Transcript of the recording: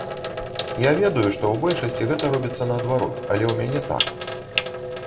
Я ведаю, што ў большасці гэта робіцца наадварот, але ў мяне так.